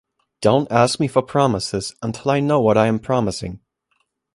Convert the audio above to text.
Don’t ask me for promises until I know what I am promising.